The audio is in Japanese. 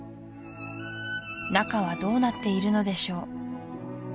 中はどうなっているのでしょう